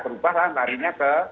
berubah lah antaranya ke